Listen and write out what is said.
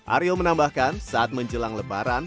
aryo menambahkan saat menjelang lebaran